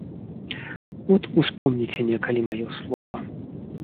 От успомніце некалі маё слова.